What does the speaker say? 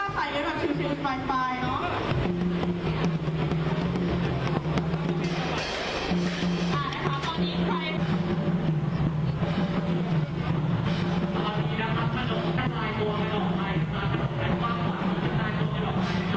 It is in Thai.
สำรวจการท่านทำร่างเจ็บของที่ได้เลยจ้า